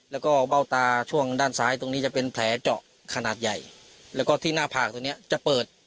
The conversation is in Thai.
แล้วก็เบ้าตาช่วงด้านซ้ายตรงนี้จะเป็นแผลเจาะขนาดใหญ่แล้วก็ที่หน้าผากตรงเนี้ยจะเปิด